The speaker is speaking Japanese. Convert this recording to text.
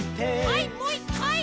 はいもう１かい！